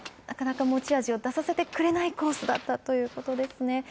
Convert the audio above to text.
なかなか持ち味を出させてくれないコースだったということですね。